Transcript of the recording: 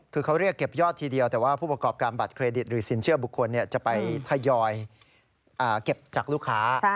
คือเขาเรียกเก็บยอดทีเดียวแต่ว่าผู้ประกอบการบัตรเครดิตหรือสินเชื่อบุคคลจะไปทยอยเก็บจากลูกค้า